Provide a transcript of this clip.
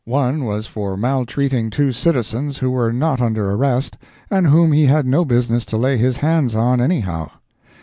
One was for maltreating two citizens who were not under arrest, and whom he had no business to lay his hands on anyhow.